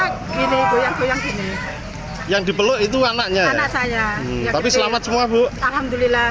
saya gini goyang goyang gini yang dipeluk itu anaknya anak saya yang selamat semua bu alhamdulillah